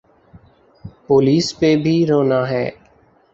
Police پہ بھی رونا ہے۔